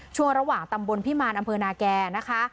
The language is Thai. ช่วงระหว่างตำบลพิมารอำเภอนาแก่นะคะ